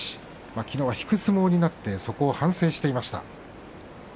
きのうは引く相撲になってそこを反省していました。